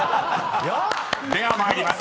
［では参ります］